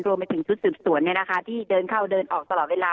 รวมไปถึงชุดสืบสวนที่เดินเข้าเดินออกตลอดเวลา